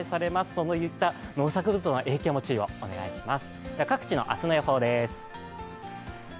そういった農作物の影響にも注意をお願いします。